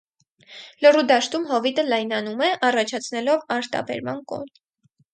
Լոռու դաշտում հովիտը լայնանում է՝ առաջացնելով արտաբերման կոն։